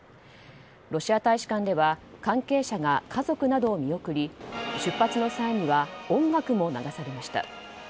ロシア大使館では関係者が家族などを見送り出発の際には音楽も流されました。